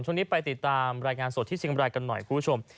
ช่วงนี้ไปติดตามรายงานสดที่เชียงบรายกันหน่อยคุณผู้ชม